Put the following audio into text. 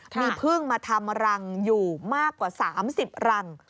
มีพึ่งมาทำรังอยู่มากกว่า๓๐รัง